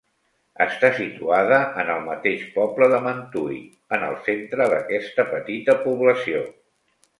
Està situada en el mateix poble de Mentui, en el centre d'aquesta petita població.